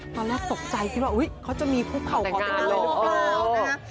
ตอนนั้นตกใจกินว่าเฮ้ยเขาจะมีผู้เข่าพอร์ตเต้นลงเปล่านะ